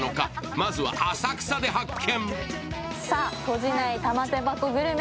まずは浅草で発見。